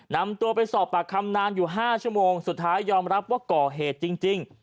นำตัวไปสอบปากคำนานอยู่๕ชั่วโมงสุดท้ายยอมรับว่าก่อเหตุจริง